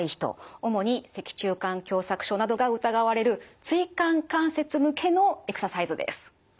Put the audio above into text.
主に脊柱管狭窄症などが疑われる椎間関節向けのエクササイズです。